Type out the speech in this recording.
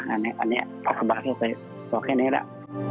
อันนี้พระคุณบาท่านไปบอกแค่นี้แหละ